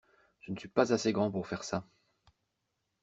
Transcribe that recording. Je ne suis pas assez grand pour faire ça.